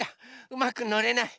うまくのれない。